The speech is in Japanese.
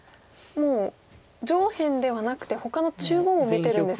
もう上辺ではなくてほかの中央を見てるんですか。